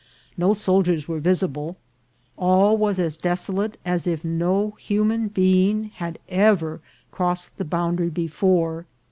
No soldiers were visible ; all was as desolate as if no human being had ever crossed the boundary before.